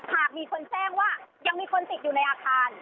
หากมีคนแจ้งว่ายังมีคนติดอยู่ในอาคาร